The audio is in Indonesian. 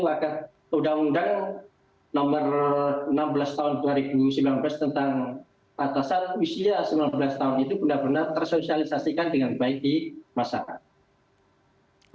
agar undang undang nomor enam belas tahun dua ribu sembilan belas tentang atasan usia sembilan belas tahun itu benar benar tersosialisasikan dengan baik di masyarakat